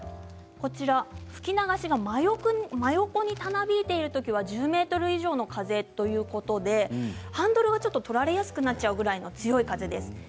吹き流しが真横にたなびいているときは１０ｍ以上の風ということでハンドルがとられやすくなっちゃうぐらいの強さです。